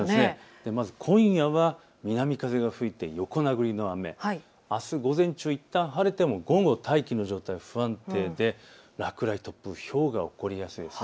まず今夜は南風が吹いて横殴りの雨、あす午前中、いったん晴れても午後、大気の状態不安定で落雷、突風、ひょうが起こりやすいです。